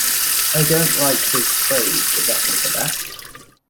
I don't like his trade the better for that.